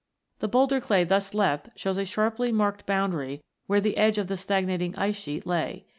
The boulder clay thus left shows a sharply marked boundary where the edge of the stagnating ice sheet lay.